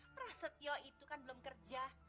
prasetyo itu kan belum kerja